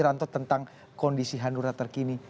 dan juga tentang kondisi hanura terkini